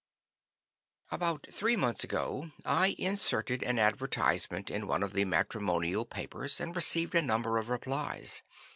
"About three months ago I inserted an advertisement in one of the matrimonial papers and received a number of replies.